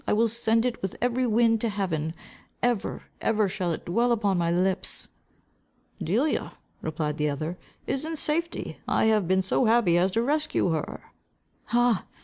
I will send it with every wind to heaven. Ever, ever, shall it dwell upon my lips." "Delia," replied the other, "is in safety. I have been so happy as to rescue her." "Ha!